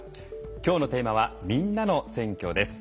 きょうのテーマは「みんなの選挙」です。